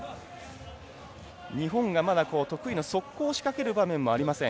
日本がまだ得意の速攻を仕掛ける場面がありません。